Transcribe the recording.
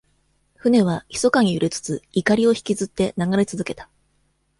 船は、ひそかに揺れつつ、錨をひきずって流れつづけた。